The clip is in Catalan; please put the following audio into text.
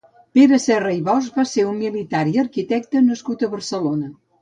Pere Serra i Bosch va ser un militar i arquitecte nascut a Barcelona.